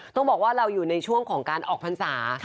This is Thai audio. ต้องบอกว่าเราอยู่ในช่วงของการออกพรรษา